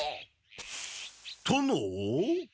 殿？